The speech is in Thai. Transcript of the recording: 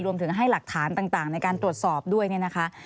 รวมถึงให้หลักฐานต่างในการตรวจสอบด้วยเนี่ยนะคะ